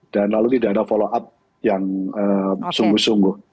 dan lalu tidak ada follow up yang sungguh sungguh